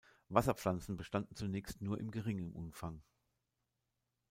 Wasserpflanzen bestanden zunächst nur in geringem Umfang.